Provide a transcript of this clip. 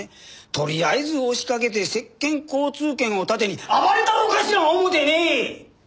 とりあえず押しかけて接見交通権を盾に暴れたろかしら思てね！